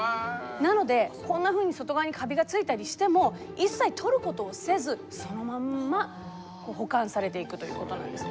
なのでこんなふうに外側にカビがついたりしても一切取ることをせずそのまんま保管されていくということなんです。